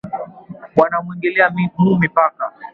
Banamwingilia mu mipaka